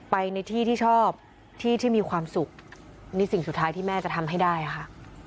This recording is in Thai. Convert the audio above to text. ไปในที่ที่ชอบที่ที่มีความสุขนี่สิ่งสุดท้ายที่แม่จะทำให้ได้ค่ะ